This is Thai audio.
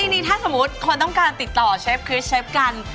ทีนี้ถ้าสมมุติคนต้องการติดต่อเชฟคริสเชฟกัน